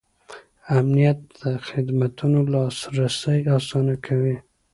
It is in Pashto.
امنیت د خدمتونو لاسرسی اسانه کوي.